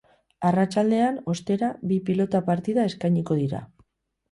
Arratsaldean, ostera, bi pilota partida eskainiko dira.